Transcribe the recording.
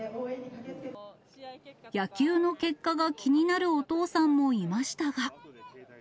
野球の結果が気になるお父さんもいましたが。